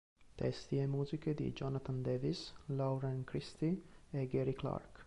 Testi e musiche di Jonathan Davis, Lauren Christy e Gary Clark.